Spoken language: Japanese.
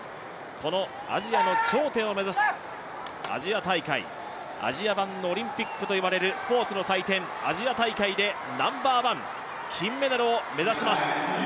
アジアの頂点を目指すアジア大会、アジア版のオリンピックといわれるスポーツの祭典、アジア大会でナンバーワン、金メダルを目指します。